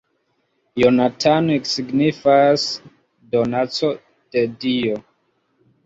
Jonathan signifas 'donaco de dio'.